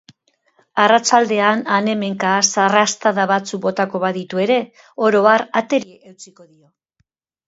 Arratsaldean han-hemenka zarrastada batzuk botako baditu ere, oro har ateri eutsiko dio.